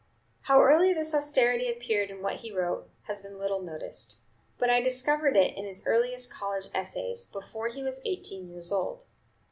How early this austerity appeared in what he wrote, has been little noticed; but I discover it in his earliest college essays, before he was eighteen years old.